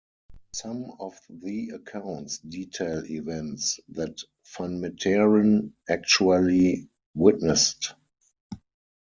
Some of the accounts detail events that van Meteren actually witnessed.